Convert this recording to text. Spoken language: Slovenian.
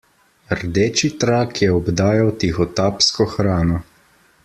Rdeči trak je obdajal tihotapsko hrano.